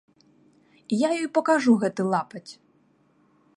Я ёй пакажу гэты лапаць!